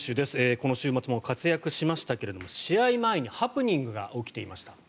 この週末も活躍しましたけれども試合前にハプニングが起きていました。